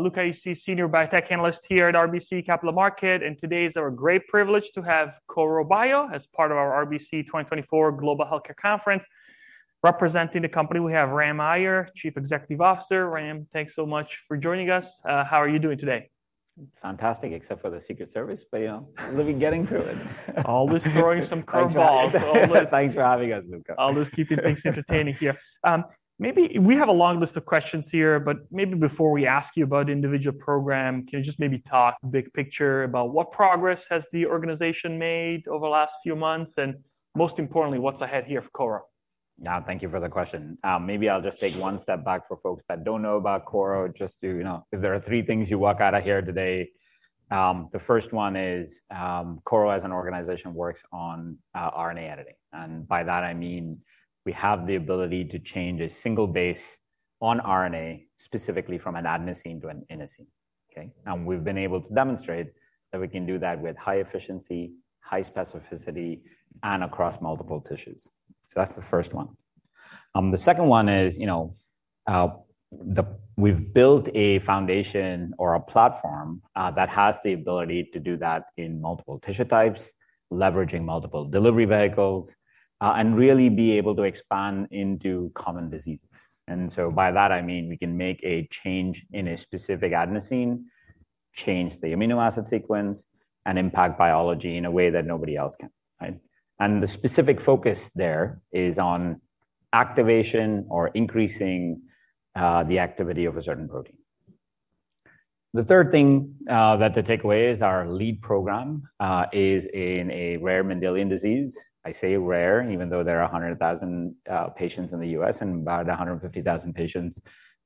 Luca Issi, Senior Biotech Analyst here at RBC Capital Markets, and today is our great privilege to have Korro Bio as part of our RBC 2024 Global Healthcare Conference representing the company. We have Ram Aiyar, Chief Executive Officer. Ram, thanks so much for joining us. How are you doing today? Fantastic, except for the Secret Service, but you know, we're getting through it. Always throwing some curveballs. Thanks for having us, Luca. Always keeping things entertaining here. Maybe we have a long list of questions here, but maybe before we ask you about individual programs, can you just maybe talk big picture about what progress has the organization made over the last few months, and most importantly, what's ahead here for Korro? Yeah, thank you for the question. Maybe I'll just take one step back for folks that don't know about Korro, just to, you know, if there are three things you walk out of here today. The first one is Korro, as an organization, works on RNA editing, and by that I mean we have the ability to change a single base on RNA specifically from an adenosine to an inosine. Okay, and we've been able to demonstrate that we can do that with high efficiency, high specificity, and across multiple tissues. So that's the first one. The second one is, you know, we've built a foundation or a platform that has the ability to do that in multiple tissue types, leveraging multiple delivery vehicles, and really be able to expand into common diseases. And so by that I mean we can make a change in a specific adenosine, change the amino acid sequence, and impact biology in a way that nobody else can, right? And the specific focus there is on activation or increasing the activity of a certain protein. The third thing that the takeaway is our lead program is in a rare Mendelian disease. I say rare, even though there are 100,000 patients in the U.S. and about 150,000 patients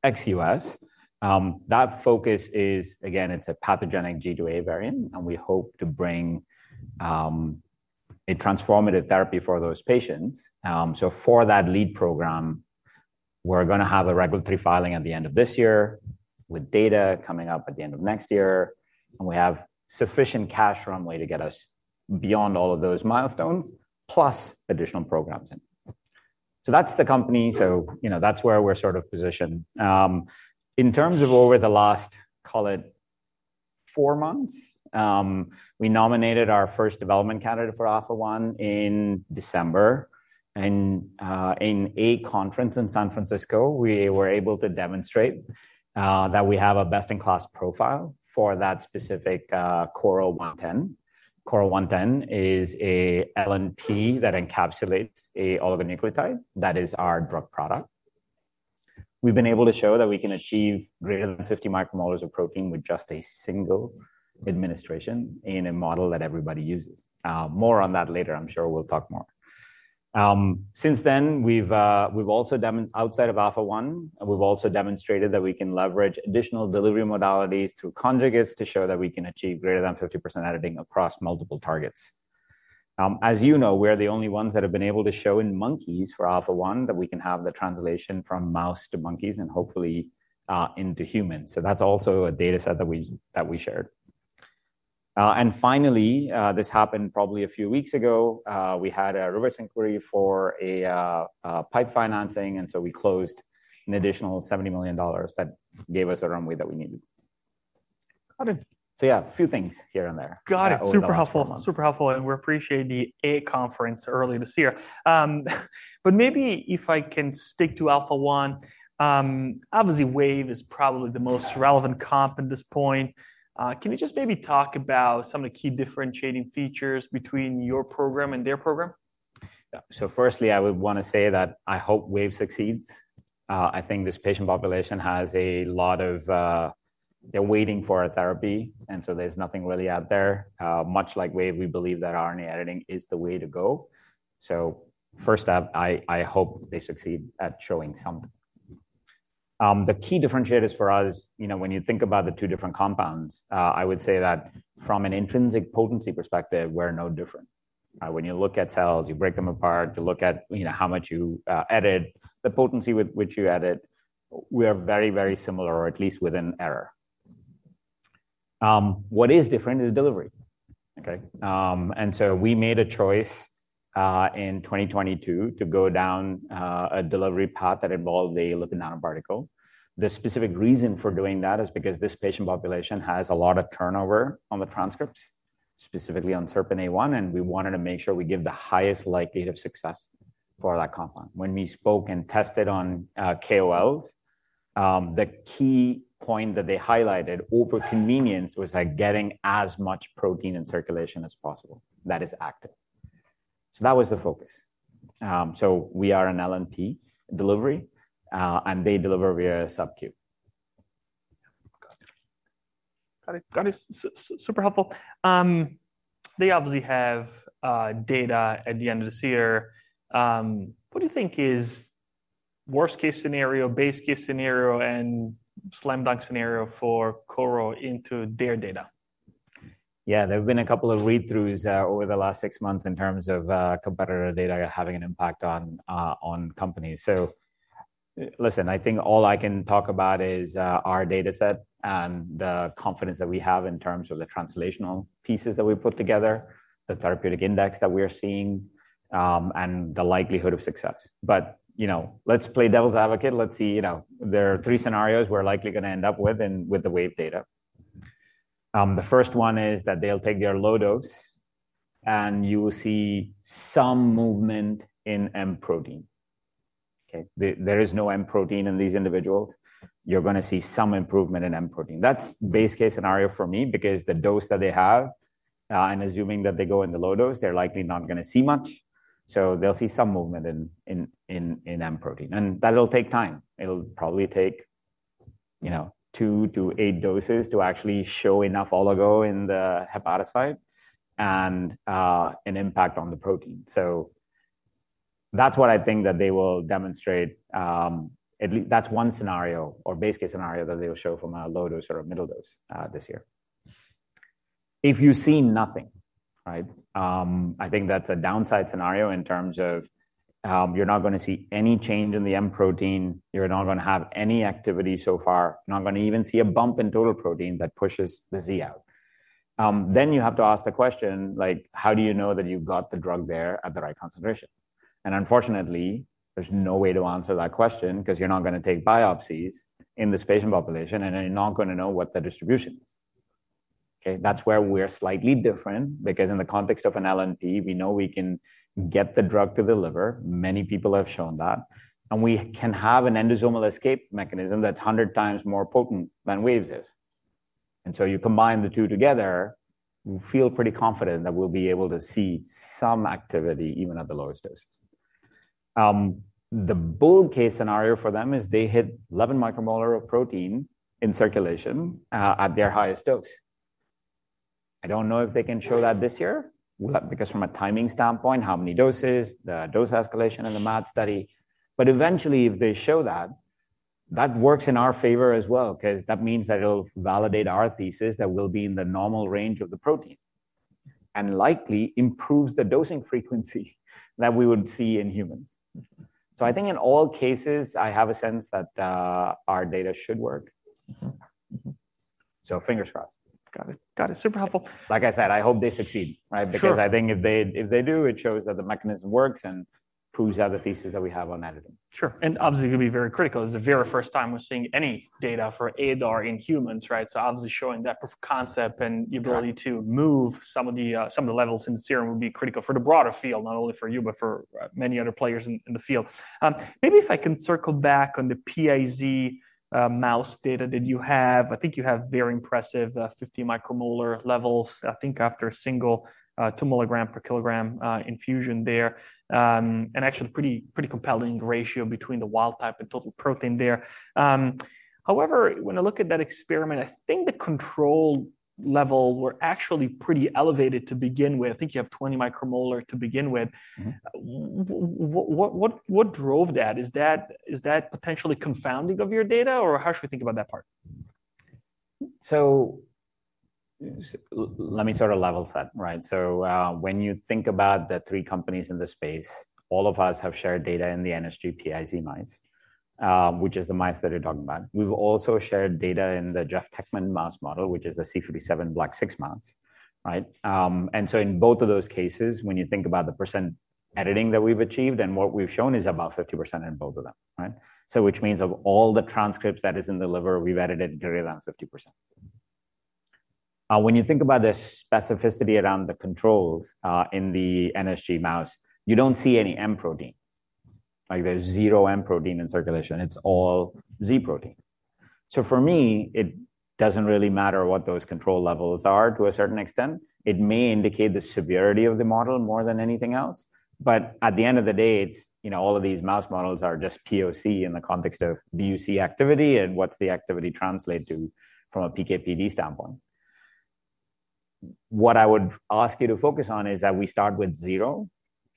ex-U.S. That focus is, again, it's a pathogenic G-to-A variant, and we hope to bring a transformative therapy for those patients. So for that lead program, we're going to have a regulatory filing at the end of this year with data coming up at the end of next year, and we have sufficient cash runway to get us beyond all of those milestones, plus additional programs in. So that's the company. So, you know, that's where we're sort of positioned. In terms of over the last, call it, four months, we nominated our first development candidate for Alpha-1 in December. And in a conference in San Francisco, we were able to demonstrate that we have a best-in-class profile for that specific KRRO-110. KRRO-110 is an LNP that encapsulates an oligonucleotide that is our drug product. We've been able to show that we can achieve greater than 50 micromolars of protein with just a single administration in a model that everybody uses. More on that later. I'm sure we'll talk more. Since then, we've also demonstrated outside of Alpha-1, we've also demonstrated that we can leverage additional delivery modalities through conjugates to show that we can achieve greater than 50% editing across multiple targets. As you know, we're the only ones that have been able to show in monkeys for Alpha-1 that we can have the translation from mouse to monkeys and hopefully into humans. So that's also a data set that we shared. Finally, this happened probably a few weeks ago. We had a reverse inquiry for a PIPE financing, and so we closed an additional $70 million that gave us a runway that we needed. Got it. So yeah, a few things here and there. Got it. Super helpful, super helpful, and we appreciate the RBC conference early this year. But maybe if I can stick to Alpha-1, obviously Wave is probably the most relevant comp at this point. Can you just maybe talk about some of the key differentiating features between your program and their program? Yeah. Firstly, I would want to say that I hope Wave succeeds. I think this patient population has a lot of, they're waiting for a therapy, and so there's nothing really out there. Much like Wave, we believe that RNA editing is the way to go. First up, I hope they succeed at showing something. The key differentiators for us, you know, when you think about the two different compounds, I would say that from an intrinsic potency perspective, we're no different. When you look at cells, you break them apart, you look at, you know, how much you edit, the potency with which you edit, we are very, very similar, or at least within error. What is different is delivery. Okay? We made a choice in 2022 to go down a delivery path that involved a lipid nanoparticle. The specific reason for doing that is because this patient population has a lot of turnover on the transcripts, specifically on SERPINA1, and we wanted to make sure we give the highest likelihood of success for that compound. When we spoke and tested on KOLs, the key point that they highlighted over convenience was like getting as much protein in circulation as possible that is active. So that was the focus. So we are an LNP delivery, and they deliver via a sub-Q. Got it. Got it. Super helpful. They obviously have data at the end of this year. What do you think is the worst-case scenario, base-case scenario, and slam dunk scenario for Korro into their data? Yeah, there have been a couple of read-throughs over the last six months in terms of competitor data having an impact on companies. So listen, I think all I can talk about is our data set and the confidence that we have in terms of the translational pieces that we put together, the therapeutic index that we are seeing, and the likelihood of success. But, you know, let's play devil's advocate. Let's see, you know, there are three scenarios we're likely going to end up with with the Wave data. The first one is that they'll take their low dose, and you will see some movement in M protein. Okay? There is no M protein in these individuals. You're going to see some improvement in M protein. That's the base-case scenario for me because the dose that they have, and assuming that they go in the low dose, they're likely not going to see much. So they'll see some movement in M protein, and that'll take time. It'll probably take, you know, two to eight doses to actually show enough oligo in the hepatocyte and an impact on the protein. So that's what I think that they will demonstrate. That's one scenario or base-case scenario that they will show from a low dose or a middle dose this year. If you see nothing, right? I think that's a downside scenario in terms of you're not going to see any change in the M protein. You're not going to have any activity so far. You're not going to even see a bump in total protein that pushes the Z out. Then you have to ask the question like, how do you know that you got the drug there at the right concentration? And unfortunately, there's no way to answer that question because you're not going to take biopsies in this patient population, and you're not going to know what the distribution is. Okay? That's where we're slightly different because in the context of an LNP, we know we can get the drug to the liver. Many people have shown that. And we can have an endosomal escape mechanism that's 100 times more potent than Wave is. And so you combine the two together, we feel pretty confident that we'll be able to see some activity even at the lowest doses. The bold case scenario for them is they hit 11 micromolar of protein in circulation at their highest dose. I don't know if they can show that this year because from a timing standpoint, how many doses, the dose escalation in the MAD study. But eventually, if they show that, that works in our favor as well, because that means that it'll validate our thesis that we'll be in the normal range of the protein and likely improves the dosing frequency that we would see in humans. So I think in all cases, I have a sense that our data should work. So fingers crossed. Got it. Got it. Super helpful. Like I said, I hope they succeed, right? Because I think if they do, it shows that the mechanism works and proves out the thesis that we have on editing. Sure. And obviously, it could be very critical. It's the very first time we're seeing any data for ADAR in humans, right? So obviously showing that concept and your ability to move some of the levels in the serum would be critical for the broader field, not only for you, but for many other players in the field. Maybe if I can circle back on the PiZ mouse data that you have, I think you have very impressive 50 micromolar levels, I think after a single 2 mg per kg infusion there. And actually pretty, pretty compelling ratio between the wild type and total protein there. However, when I look at that experiment, I think the control level was actually pretty elevated to begin with. I think you have 20 micromolar to begin with. What drove that? Is that potentially confounding of your data, or how should we think about that part? So let me sort of level set, right? So when you think about the three companies in the space, all of us have shared data in the NSG-PiZ mice, which is the mice that you're talking about. We've also shared data in the Jeffrey Teckman mouse model, which is the C57BL/6 mouse, right? And so in both of those cases, when you think about the percent editing that we've achieved and what we've shown is about 50% in both of them, right? So which means of all the transcripts that is in the liver, we've edited greater than 50%. When you think about the specificity around the controls in the NSG-PiZ mouse, you don't see any M protein. Like there's zero M protein in circulation. It's all Z protein. So for me, it doesn't really matter what those control levels are to a certain extent. It may indicate the severity of the model more than anything else. But at the end of the day, it's, you know, all of these mouse models are just POC in the context of do you see activity and what's the activity translate to from a PKPD standpoint. What I would ask you to focus on is that we start with 0,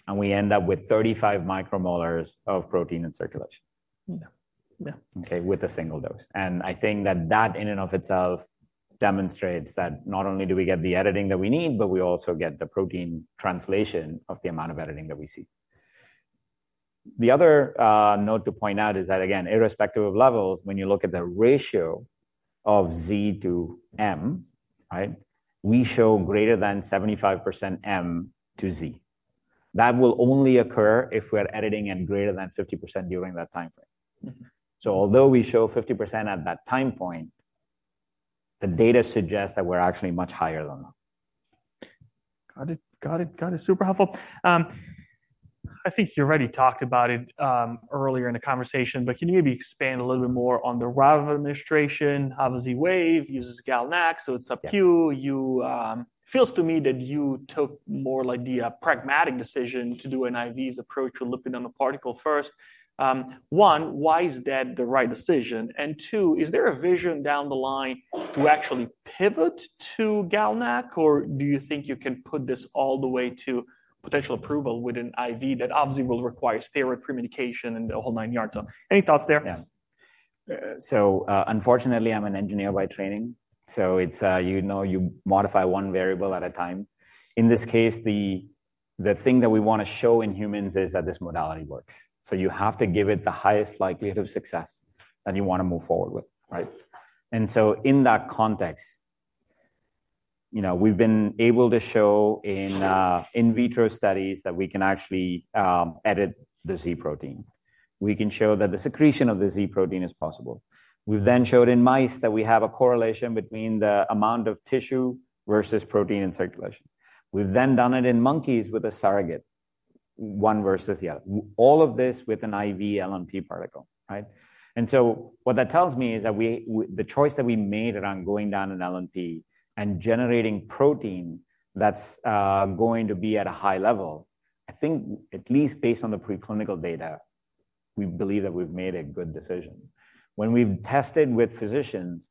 and we end up with 35 micromolars of protein in circulation. Yeah. Yeah. Okay, with a single dose. I think that that in and of itself demonstrates that not only do we get the editing that we need, but we also get the protein translation of the amount of editing that we see. The other note to point out is that, again, irrespective of levels, when you look at the ratio of Z to m, right? We show greater than 75% m to Z. That will only occur if we're editing at greater than 50% during that timeframe. Although we show 50% at that time point, the data suggests that we're actually much higher than that. Got it. Got it. Got it. Super helpful. I think you already talked about it earlier in the conversation, but can you maybe expand a little bit more on the IV administration? Obviously, Wave uses GalNAc, so it's subcutaneous. It feels to me that you took more like the pragmatic decision to do an IV approach with lipid nanoparticle first. One, why is that the right decision? And two, is there a vision down the line to actually pivot to GalNAc, or do you think you can put this all the way to potential approval with an IV that obviously will require steroid premedication and the whole nine yards? So any thoughts there? Yeah. So unfortunately, I'm an engineer by training. So it's, you know, you modify one variable at a time. In this case, the thing that we want to show in humans is that this modality works. So you have to give it the highest likelihood of success that you want to move forward with, right? And so in that context, you know, we've been able to show in vitro studies that we can actually edit the Z protein. We can show that the secretion of the Z protein is possible. We've then showed in mice that we have a correlation between the amount of tissue versus protein in circulation. We've then done it in monkeys with a surrogate, one versus the other, all of this with an IV LNP particle, right? What that tells me is that the choice that we made around going down an LNP and generating protein that's going to be at a high level, I think at least based on the preclinical data, we believe that we've made a good decision. When we've tested with physicians,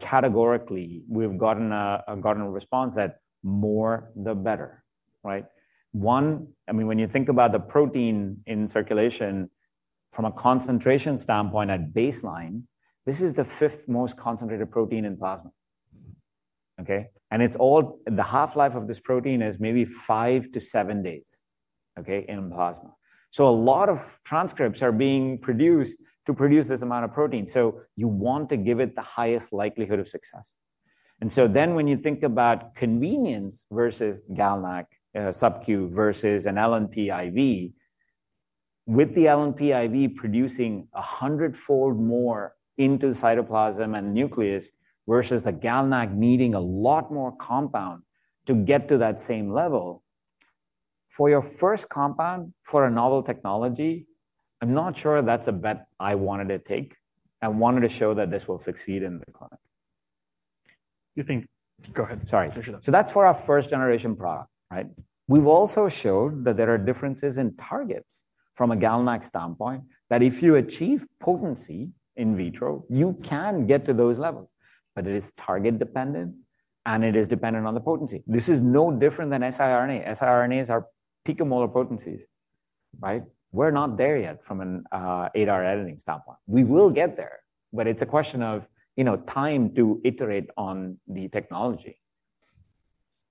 categorically, we've gotten a response that more the better, right? One, I mean, when you think about the protein in circulation from a concentration standpoint at baseline, this is the fifth most concentrated protein in plasma. Okay? And it's all the half-life of this protein is maybe five to seven days, okay, in plasma. So a lot of transcripts are being produced to produce this amount of protein. So you want to give it the highest likelihood of success. When you think about convenience versus GalNAc, subQ versus an LNP IV, with the LNP IV producing 100-fold more into the cytoplasm and nucleus versus the GalNAc needing a lot more compound to get to that same level. For your first compound for a novel technology, I'm not sure that's a bet I wanted to take. I wanted to show that this will succeed in the clinic. You think? Go ahead. Sorry. So that's for our first generation product, right? We've also shown that there are differences in targets from a GalNAc standpoint that if you achieve potency in vitro, you can get to those levels. But it is target dependent. And it is dependent on the potency. This is no different than siRNA. siRNAs are picomolar potencies, right? We're not there yet from an ADAR editing standpoint. We will get there. But it's a question of, you know, time to iterate on the technology.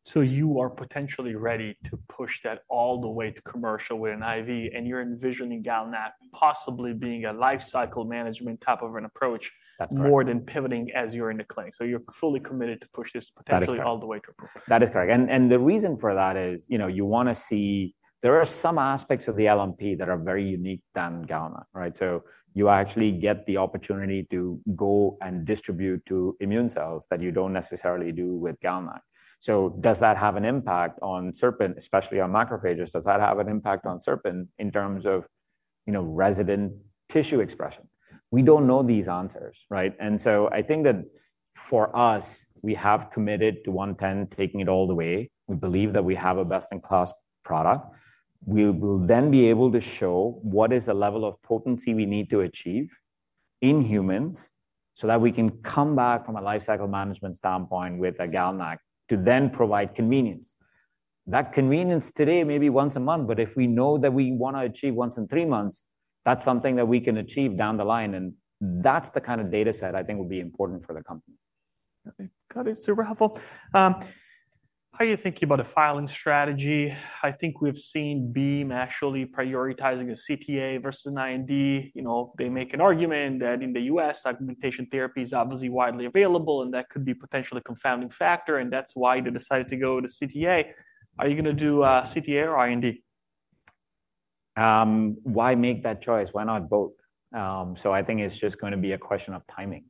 So you are potentially ready to push that all the way to commercial with an IV, and you're envisioning GalNAc possibly being a lifecycle management type of an approach more than pivoting as you're in the clinic. So you're fully committed to push this potentially all the way to approach. That is correct. The reason for that is, you know, you want to see there are some aspects of the LNP that are very unique than GalNAc, right? So you actually get the opportunity to go and distribute to immune cells that you don't necessarily do with GalNAc. So does that have an impact on SERPINA1, especially on macrophages? Does that have an impact on SERPINA1 in terms of, you know, resident tissue expression? We don't know these answers, right? So I think that for us, we have committed to 110, taking it all the way. We believe that we have a best-in-class product. We will then be able to show what is the level of potency we need to achieve in humans so that we can come back from a lifecycle management standpoint with a GalNAc to then provide convenience. That convenience today, maybe once a month, but if we know that we want to achieve once in three months, that's something that we can achieve down the line. That's the kind of data set I think would be important for the company. Okay. Got it. Super helpful. How do you think about a filing strategy? I think we've seen Beam actually prioritizing a CTA versus an IND. You know, they make an argument that in the U.S., augmentation therapy is obviously widely available, and that could be potentially a confounding factor. And that's why they decided to go to CTA. Are you going to do CTA or IND? Why make that choice? Why not both? So I think it's just going to be a question of timing.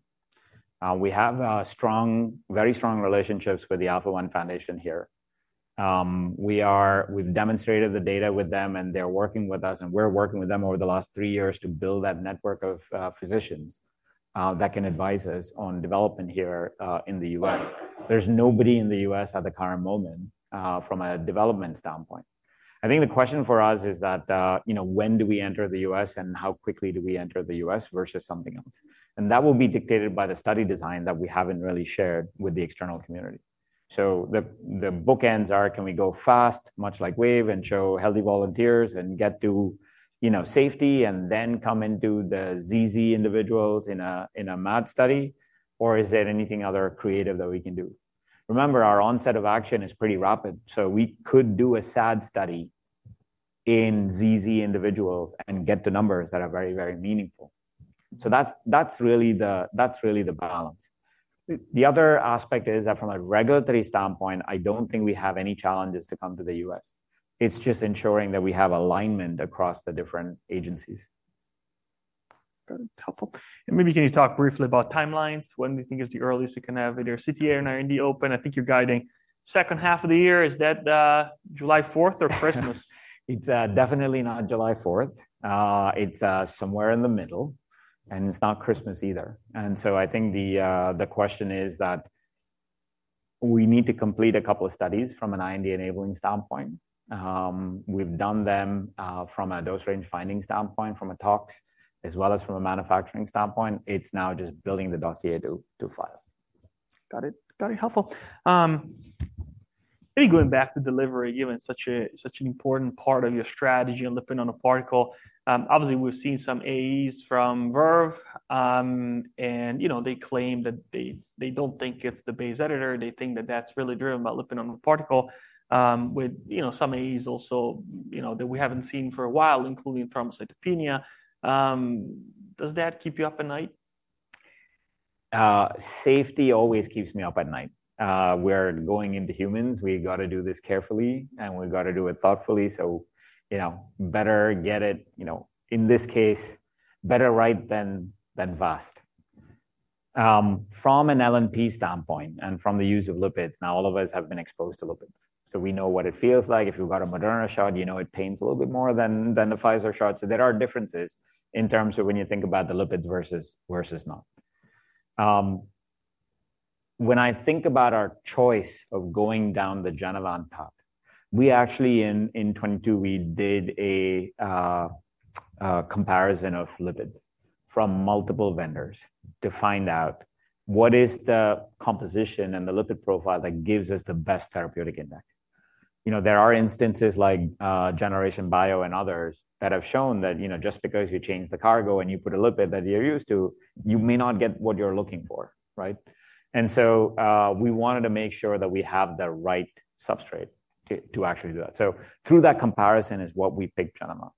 We have strong, very strong relationships with the Alpha-1 Foundation here. We've demonstrated the data with them, and they're working with us, and we're working with them over the last three years to build that network of physicians that can advise us on development here in the U.S. There's nobody in the U.S. at the current moment from a development standpoint. I think the question for us is that, you know, when do we enter the U.S. and how quickly do we enter the U.S. versus something else? And that will be dictated by the study design that we haven't really shared with the external community. So the bookends are, can we go fast, much like Wave, and show healthy volunteers and get to, you know, safety and then come into the ZZ individuals in a MAD study? Or is there anything other creative that we can do? Remember, our onset of action is pretty rapid. So we could do a SAD study in ZZ individuals and get the numbers that are very, very meaningful. So that's really the balance. The other aspect is that from a regulatory standpoint, I don't think we have any challenges to come to the U.S. It's just ensuring that we have alignment across the different agencies. Got it. Helpful. Maybe can you talk briefly about timelines? When do you think is the earliest you can have either CTA or an IND open? I think you're guiding the second half of the year. Is that July 4th or Christmas? It's definitely not July 4th. It's somewhere in the middle. It's not Christmas either. So I think the question is that we need to complete a couple of studies from an IND enabling standpoint. We've done them from a dose range finding standpoint, from a tox, as well as from a manufacturing standpoint. It's now just building the dossier to file. Got it. Got it. Helpful. Maybe going back to delivery, given such an important part of your strategy and lipid nanoparticle, obviously, we've seen some AEs from Verve. And you know, they claim that they don't think it's the base editor. They think that that's really driven by lipid nanoparticle with, you know, some AEs also, you know, that we haven't seen for a while, including thrombocytopenia. Does that keep you up at night? Safety always keeps me up at night. We're going into humans. We got to do this carefully. And we got to do it thoughtfully. So, you know, better get it, you know, in this case, better right than vast. From an LNP standpoint and from the use of lipids, now all of us have been exposed to lipids. So we know what it feels like. If you've got a Moderna shot, you know, it pains a little bit more than the Pfizer shot. So there are differences in terms of when you think about the lipids versus not. When I think about our choice of going down the Genevant path, we actually in 2022, we did a comparison of lipids from multiple vendors to find out what is the composition and the lipid profile that gives us the best therapeutic index. You know, there are instances like Generation Bio and others that have shown that, you know, just because you change the cargo and you put a lipid that you're used to, you may not get what you're looking for, right? And so we wanted to make sure that we have the right substrate to actually do that. So through that comparison is what we picked Genevant.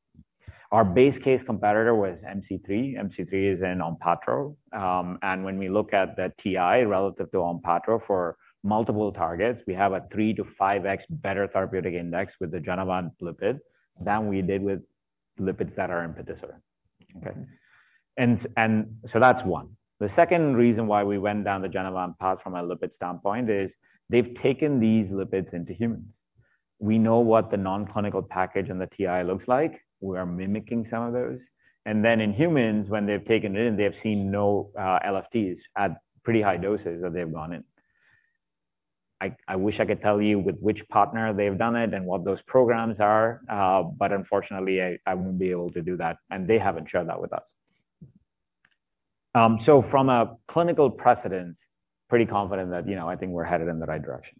Our base case competitor was MC3. MC3 is in Onpatro. And when we look at the TI relative to Onpatro for multiple targets, we have a 3 to 5x better therapeutic index with the Genevant lipid than we did with lipids that are in Patisiran. Okay. And so that's one. The second reason why we went down the Genevant path from a lipid standpoint is they've taken these lipids into humans. We know what the non-clinical package and the TI looks like. We are mimicking some of those. Then in humans, when they've taken it in, they've seen no LFTs at pretty high doses that they've gone in. I wish I could tell you with which partner they've done it and what those programs are. But unfortunately, I won't be able to do that. They haven't shared that with us. So from a clinical precedent, pretty confident that, you know, I think we're headed in the right direction.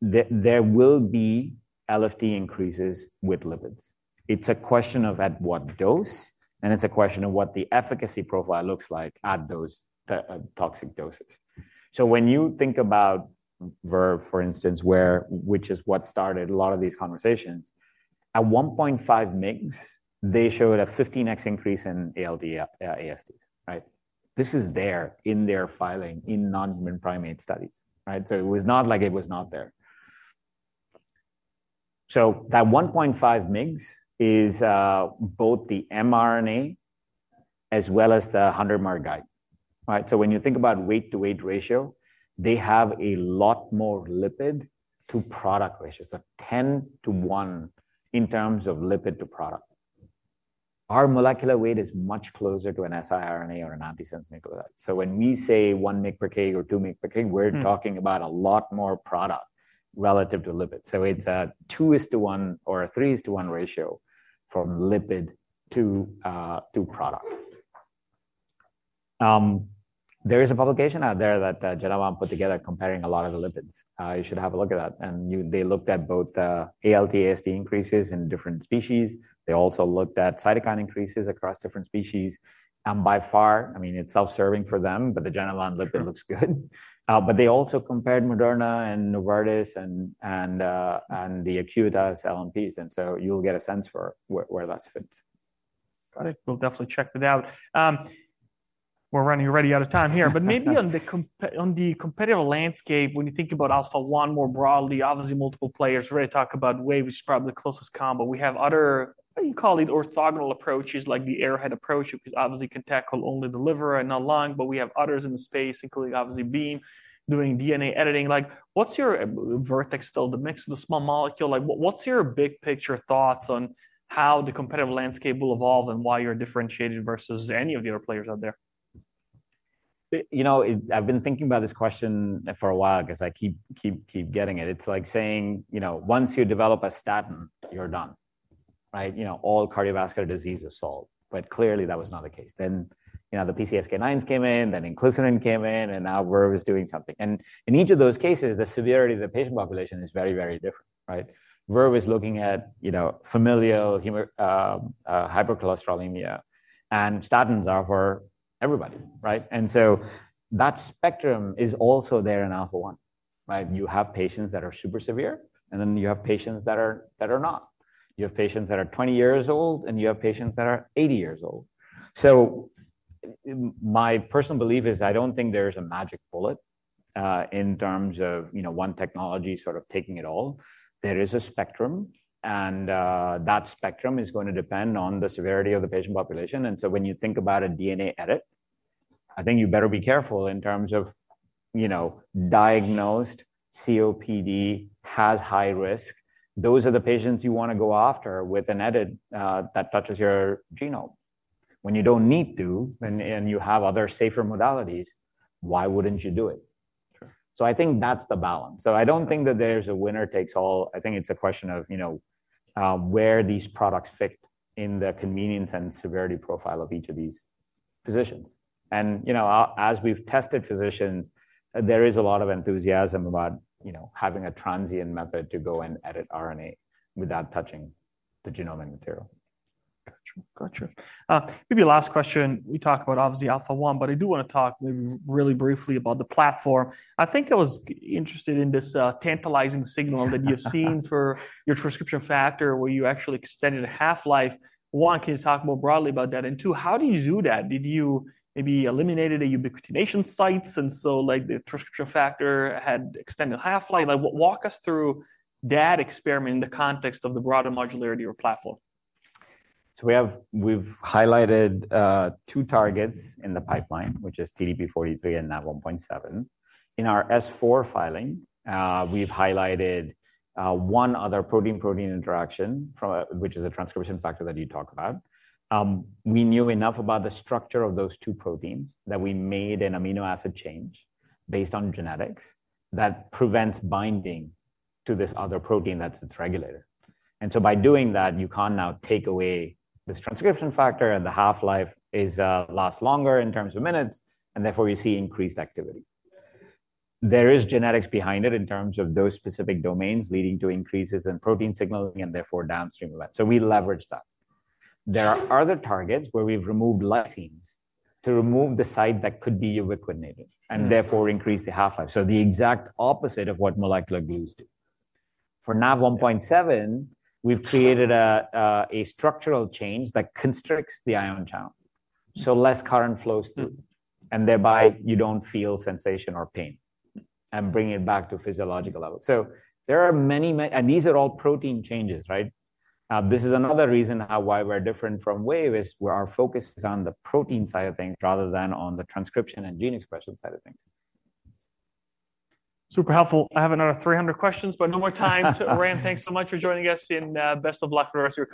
There will be LFT increases with lipids. It's a question of at what dose. And it's a question of what the efficacy profile looks like at those toxic doses. So when you think about Verve, for instance, which is what started a lot of these conversations, at 1.5 mgs, they showed a 15x increase in ALT/ASTs, right? This is there in their filing in non-human primate studies, right? So it was not like it was not there. So that 1.5 mgs is both the mRNA as well as the 100-mer guide, right? So when you think about weight to weight ratio, they have a lot more lipid to product ratios, a 10:1 in terms of lipid to product. Our molecular weight is much closer to an siRNA or an antisense nucleotide. So when we say 1 mg per kg or 2 mg per kg, we're talking about a lot more product relative to lipids. So it's a 2:1 or a 3:1 ratio from lipid to product. There is a publication out there that Genevant put together comparing a lot of the lipids. You should have a look at that. And they looked at both the ALT/AST increases in different species. They also looked at cytokine increases across different species. By far, I mean, it's self-serving for them, but the Genevant lipid looks good. They also compared Moderna and Novartis and the Acuitas LNPs. So you'll get a sense for where that fits. Got it. We'll definitely check that out. We're running already out of time here. But maybe on the competitive landscape, when you think about Alpha-1 more broadly, obviously multiple players really talk about Wave, which is probably the closest combo. We have other, what do you call it, orthogonal approaches like the Arrowhead approach, which obviously can tackle only the liver and not lung, but we have others in the space, including obviously Beam doing DNA editing. Like, what's your Vertex still, the mix of the small molecule? Like, what's your big picture thoughts on how the competitive landscape will evolve and why you're differentiated versus any of the other players out there? You know, I've been thinking about this question for a while because I keep getting it. It's like saying, you know, once you develop a statin, you're done, right? You know, all cardiovascular disease is solved. But clearly, that was not the case. Then, you know, the PCSK9s came in, then Inclisiran came in, and now Verve is doing something. And in each of those cases, the severity of the patient population is very, very different, right? Verve is looking at, you know, familial hypercholesterolemia. And statins are for everybody, right? And so that spectrum is also there in Alpha-1, right? You have patients that are super severe. And then you have patients that are not. You have patients that are 20 years old, and you have patients that are 80 years old. So my personal belief is I don't think there's a magic bullet in terms of, you know, one technology sort of taking it all. There is a spectrum. And that spectrum is going to depend on the severity of the patient population. And so when you think about a DNA edit, I think you better be careful in terms of, you know, diagnosed COPD has high risk. Those are the patients you want to go after with an edit that touches your genome. When you don't need to, and you have other safer modalities, why wouldn't you do it? So I think that's the balance. So I don't think that there's a winner takes all. I think it's a question of, you know, where these products fit in the convenience and severity profile of each of these physicians. You know, as we've tested physicians, there is a lot of enthusiasm about, you know, having a transient method to go and edit RNA without touching the genomic material. Gotcha. Gotcha. Maybe last question. We talked about obviously Alpha-1, but I do want to talk maybe really briefly about the platform. I think I was interested in this tantalizing signal that you've seen for your transcription factor where you actually extended half-life. One, can you talk more broadly about that? And two, how do you do that? Did you maybe eliminate the ubiquitination sites? And so like the transcription factor had extended half-life. Like, walk us through that experiment in the context of the broader modularity or platform. So we've highlighted two targets in the pipeline, which is TDP-43 and Nav1.7. In our S-4 filing, we've highlighted one other protein-protein interaction, which is a transcription factor that you talked about. We knew enough about the structure of those two proteins that we made an amino acid change based on genetics that prevents binding to this other protein that's its regulator. And so by doing that, you can now take away this transcription factor and the half-life lasts longer in terms of minutes. And therefore, you see increased activity. There is genetics behind it in terms of those specific domains leading to increases in protein signaling and therefore downstream events. So we leverage that. There are other targets where we've removed lysines to remove the site that could be ubiquitinated and therefore increase the half-life. So the exact opposite of what molecular glues do. For Nav1.7, we've created a structural change that constricts the ion channel. So less current flows through. And thereby, you don't feel sensation or pain. And bring it back to physiological levels. So there are many, and these are all protein changes, right? This is another reason why we're different from Wave is our focus is on the protein side of things rather than on the transcription and gene expression side of things. Super helpful. I have another 300 questions, but no more time. So Ram, thanks so much for joining us. And best of luck for the rest of your.